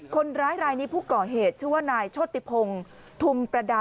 คนร้ายรายนี้ผู้ก่อเหตุชื่อว่านายโชติพงศ์ธุมประดา